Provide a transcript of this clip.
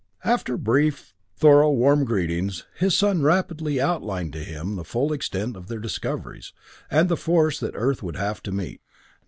After brief though warm greetings, his son rapidly outlined to him the full extent of their discoveries, and the force that Earth would have to meet.